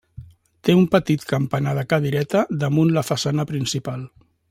Té un petit campanar de cadireta damunt la façana principal.